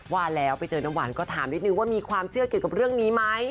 ว่าแล้วไปเจอน้ำหวานก็ถามนิดนึงว่ามีความเชื่อเกี่ยวกับเรื่องนี้ไหม